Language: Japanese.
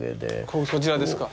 こちらですか？